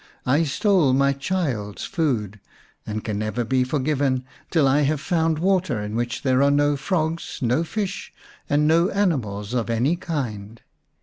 I stole my child's food, and can never be forgiven till I have found water in which are no frogs, no fish, and no animals of any kind.